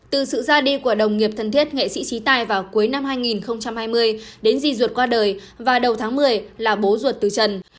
từ sự ra đi của đồng nghiệp thân thiết nghệ sĩ trí tài vào cuối năm hai nghìn hai mươi đến di ruột qua đời và đầu tháng một mươi là bố ruột từ trần